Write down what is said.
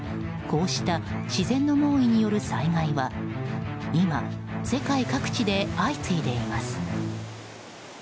こうした自然の猛威による災害は今、世界各地で相次いでいます。